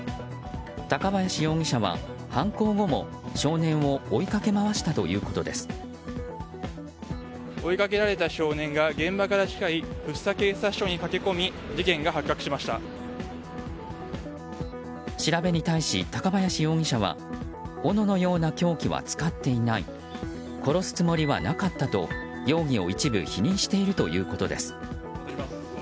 高林容疑者は犯行後も少年を追い掛け回した追いかけられた少年が現場から近い福生警察署に駆け込み調べに対し高林容疑者は斧のような凶器は使っていない殺すつもりはなかったと容疑を一部否認しているということです。